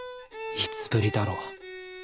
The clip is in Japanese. いつぶりだろう。